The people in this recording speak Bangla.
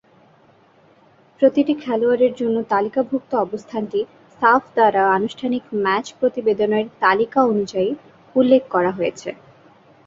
প্রতিটি খেলোয়াড়ের জন্য তালিকাভুক্ত অবস্থানটি সাফ দ্বারা আনুষ্ঠানিক ম্যাচ প্রতিবেদনের তালিকা অনুযায়ী উল্লেখ করা হয়েছে।